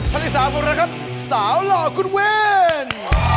ท่านที่๓คุณละครับสาวหล่อคุณวิน